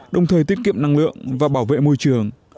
đồng thời tiết kiệm năng lượng và bảo vệ môi trường